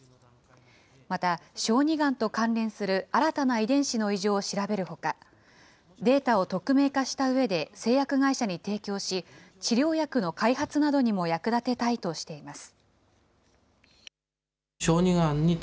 また、小児がんと関連する新たな遺伝子の異常を調べるほか、データを匿名化したうえで、製薬会社に提供し、治療薬の開発などにも役立てたいとしています。